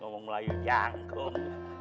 ngomong melayu jangkung